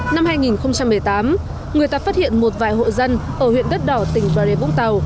năm hai nghìn một mươi tám người ta phát hiện một vài hộ dân ở huyện đất đỏ tỉnh bà rê vũng tàu